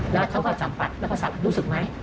แล้วเขาก็จำกัดแล้วก็สั่งรู้สึกไหม